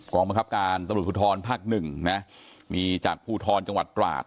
กองบังคับการตรวจผู้ทรภักดิ์หนึ่งนะมีจากผู้ทรจังหวัดตราส